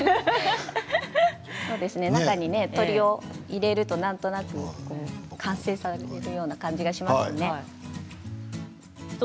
中に鳥を入れるとなんとなく完成されるような感じがしますよね。